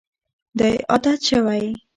دا یې عادت شوی.